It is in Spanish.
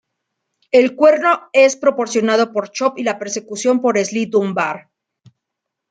El cuerno es proporcionado por Chop y la percusión por Sly Dunbar.